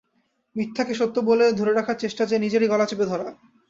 মিথ্যাকে সত্য বলে ধরে রাখার চেষ্টা যে নিজেরই গলা চেপে ধরা।